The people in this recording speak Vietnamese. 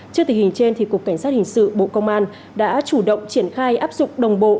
trước tình hình trên cục cảnh sát hình sự bộ công an đã chủ động triển khai áp dụng đồng bộ